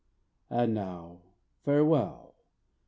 And now, farewell!